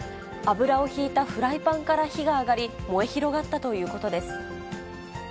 油を引いたフライパンから火が上がり、燃え広がったということです。